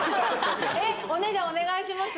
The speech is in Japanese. えっお値段お願いします